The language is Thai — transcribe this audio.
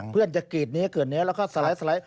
เพื่อนจะกรีดเนื้อเกิดเนื้อแล้วก็สไลด์